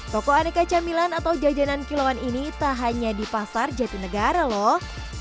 toko aneka camilan atau jajanan kilauan ini tak hanya di pasar jatinegara loh